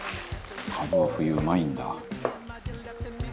「カブは冬うまいんだ」